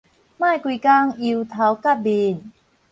莫規工憂頭結面